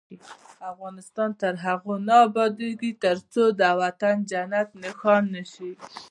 افغانستان تر هغو نه ابادیږي، ترڅو دا وطن جنت نښان نشي.